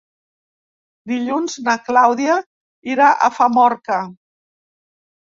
Dilluns na Clàudia irà a Famorca.